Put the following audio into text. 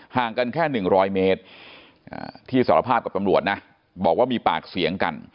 ห่างกันแค่๑๐๐เมตรที่สารภาพกับตำรวจนะบอกว่ามีปากเสียงกัน